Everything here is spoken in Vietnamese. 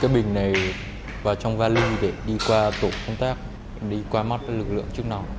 bình này vào trong vali để đi qua tổ công tác đi qua mắt lực lượng trước nào